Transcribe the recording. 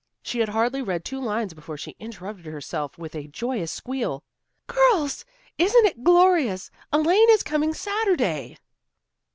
She had hardly read two lines before she interrupted herself with a joyous squeal. "Girls, isn't it glorious! Elaine is coming Saturday."